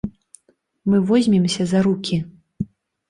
Мы возьмемся за рукі!